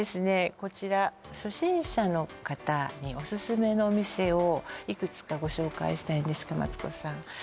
こちら初心者の方にオススメのお店をいくつかご紹介したいんですけどマツコさん